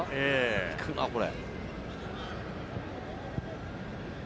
行くなこれ。